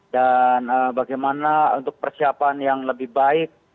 dan bagaimana untuk persiapan yang lebih baik